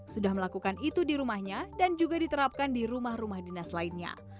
sudah melakukan itu di rumahnya dan juga diterapkan di rumah rumah dinas lainnya